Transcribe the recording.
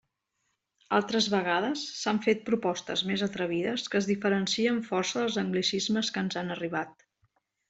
Altres vegades, s'han fet propostes més atrevides que es diferencien força dels anglicismes que ens han arribat.